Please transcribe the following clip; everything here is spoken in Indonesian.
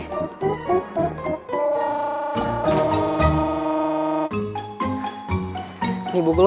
ini buku lo